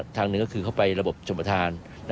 ทางหนึ่งก็คือเข้าไประบบชมประธาน